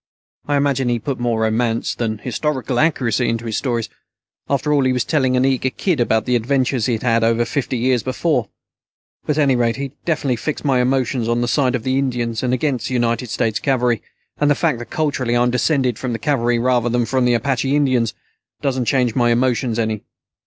I imagine he put more romance than historical accuracy into his stories. After all, he was telling an eager kid about the adventures he'd had over fifty years before. But at any rate, he definitely fixed my emotions on the side of the Indians and against the United States Cavalry. And the fact that culturally I'm descended from the Cavalry rather than from the Apache Indians doesn't change my emotions any."